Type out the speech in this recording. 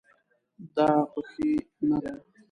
دا پخې نه ده